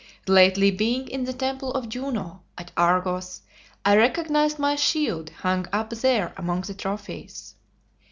Lately being in the temple of Juno, at Argos, I recognized my shield hung up there among the trophies.